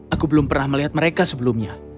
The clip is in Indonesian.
aku belum pernah melihat mereka sebelumnya